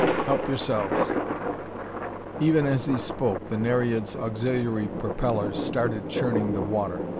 Help yourselves!" Even as he spoke, the Nereid's auxiliary propellers started churning the water.